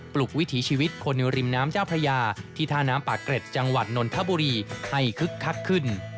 ลุกวิถีชีวิตคนในริมน้ำเจ้าพระยาที่ท่าน้ำปากเกร็ดจังหวัดนนทบุรีให้คึกคักขึ้น